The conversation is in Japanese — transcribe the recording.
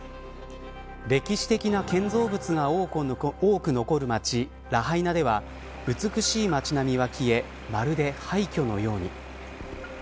歴史的な建造物が多く残る町ラハイナでは美しい街並みが消えまるで廃虚のように。